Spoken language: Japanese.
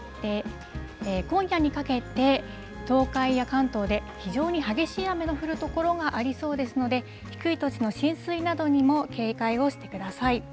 今夜にかけて、東海や関東で非常に激しい雨の降る所がありそうですので、低い土地の浸水などにも警戒をしてください。